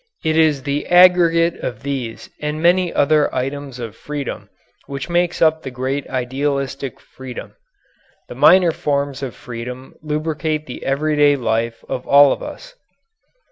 It is the aggregate of these and many other items of freedom which makes up the great idealistic Freedom. The minor forms of Freedom lubricate the everyday life of all of us.